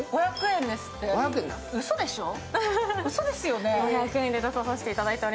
５００円ですって、うそでしょう？